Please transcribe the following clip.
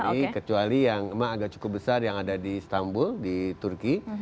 apalagi kecuali yang memang agak cukup besar yang ada di istanbul di turki